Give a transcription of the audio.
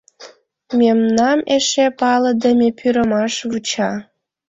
Мемнам эше палыдыме пӱрымаш вуча...